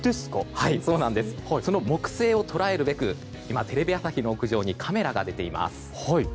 その木星を捉えるべく今、テレビ朝日の屋上にカメラが出ています。